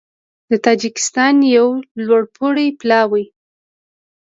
د تاجېکستان یو لوړپوړی پلاوی